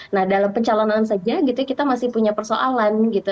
nah dalam pencalonan saja gitu ya kita masih punya persoalan gitu